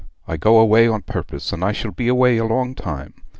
I go away on purpose, and I shall be away a long time.